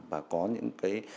và có những